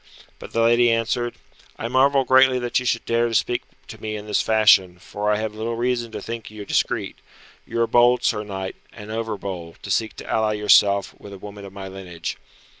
But the lady answered, "I marvel greatly that you should dare to speak to me in this fashion, for I have little reason to think you discreet. You are bold, sir knight, and overbold, to seek to ally yourself with a woman of my lineage."